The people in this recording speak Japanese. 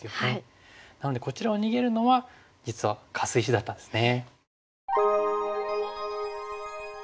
なのでこちらを逃げるのは実はカス石だったんですね。